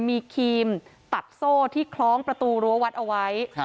มีครีมตัดโซ่ที่คล้องประตูรั้ววัดเอาไว้